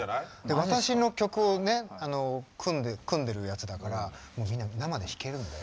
私の曲をね組んでるやつだからもうみんな生で弾けるんだよ。